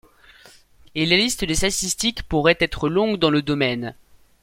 Et la liste des statistiques pourrait être longue dans le domaine.